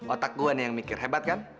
otak gue nih yang mikir hebat kan